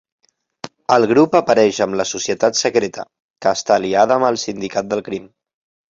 El grup apareix amb la Societat Secreta, que està aliada amb el Sindicat del Crim.